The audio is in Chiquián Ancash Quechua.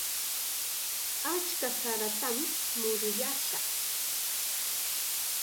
Achka saratam muruyaashaq.